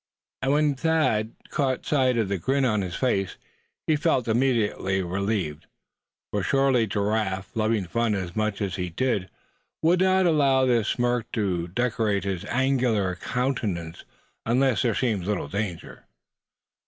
And when Thad caught sight of the grin on his face he felt immediately relieved; for surely Giraffe loving fun as much as he did, would not allow this smirk to decorate his angular countenance unless there seemed little danger.